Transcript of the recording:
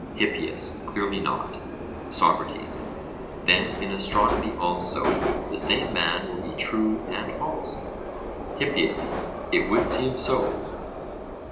HIPPIAS: Clearly not. SOCRATES: Then in astronomy also, the same man will be true and false? HIPPIAS: It would seem so.